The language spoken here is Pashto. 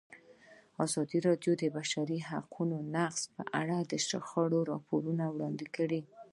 ازادي راډیو د د بشري حقونو نقض په اړه د شخړو راپورونه وړاندې کړي.